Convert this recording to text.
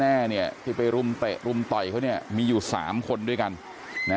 ที่เห็นแน่ที่ไปรุ่มเตะรุ่มต่อยเขามีอยู่๓คนด้วยกัน